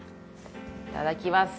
いただきます。